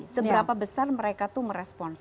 seberapa besar mereka tuh merespons